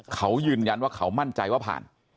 เขายืนยันว่าเขามั่นใจว่าผ่าน